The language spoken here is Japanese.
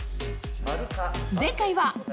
前回は。